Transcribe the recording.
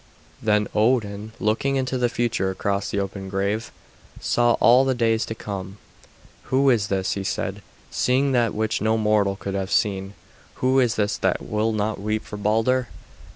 Then Odin, looking into the future across the open grave, saw all the days to come. "Who is this," he said, seeing that which no mortal could have seen; "who is this that will not weep for Balder?"